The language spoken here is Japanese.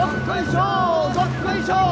どっこいしょー